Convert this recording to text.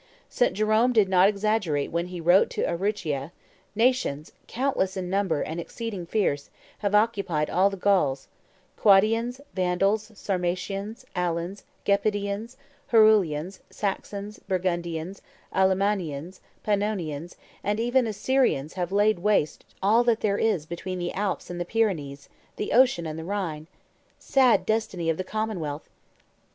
St. Jerome did not exaggerate when he wrote to Ageruchia, "Nations, countless in number and exceeding fierce, have occupied all the Gauls; Quadians, Vandals, Sarmatians, Alans, Gepidians, Herulians, Saxons, Burgundians, Allemannians, Pannonians, and even Assyrians have laid waste all that there is between the Alps and the Pyrenees, the ocean and the Rhine. Sad destiny of the commonwealth!